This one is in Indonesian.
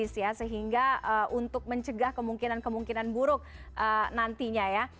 sehingga untuk mencegah kemungkinan kemungkinan buruk nantinya ya